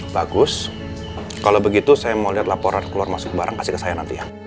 bagus kalau begitu saya mau lihat laporan keluar masuk barang kasih ke saya nanti ya